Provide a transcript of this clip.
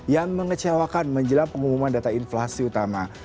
yang mengecewakan menjelang pengumuman data inflasi utama